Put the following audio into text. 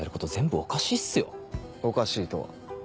おかしいとは？